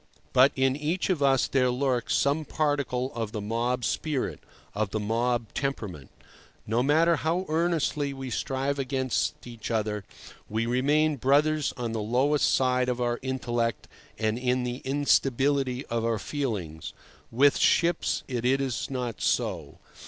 But in each of us there lurks some particle of the mob spirit, of the mob temperament. No matter how earnestly we strive against each other, we remain brothers on the lowest side of our intellect and in the instability of our feelings. With ships it is not so.